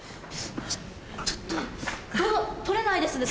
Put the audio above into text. ちょっと取れないですね